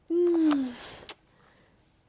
อืม